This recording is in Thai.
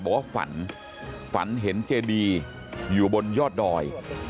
บอกว่าฝันฝันเห็นเจดีอยู่บนยอดดอย